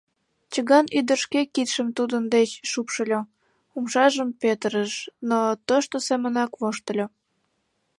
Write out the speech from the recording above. Чыган ӱдыр шке кидшым тудын деч шупшыльо, умшажым петырыш, но тошто семынак воштыльо.